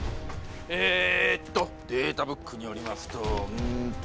えっとデータブックによりますとうんと。